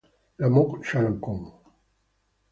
La Motte-Chalancon